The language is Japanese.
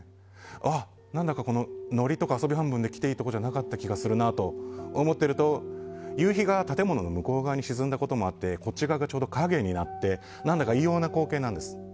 あ、何だかノリとか遊び半分で来ていいところじゃなかった気がするなと思っていると夕日が建物の向こう側に沈んだこともあってこっち側がちょうど影になってなんだか異様な光景なんです。